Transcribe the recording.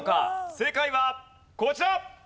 正解はこちら。